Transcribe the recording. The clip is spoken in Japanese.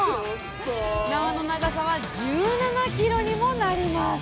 縄の長さは１７ｋｍにもなります！